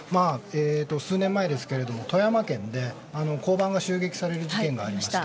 数年前、富山県で交番が襲撃される事件がありました。